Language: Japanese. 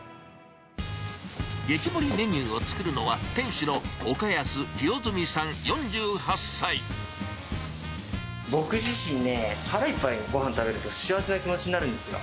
激盛りメニューを作るのは、僕自身ね、腹いっぱい、ごはん食べると幸せな気持ちになるんですよ。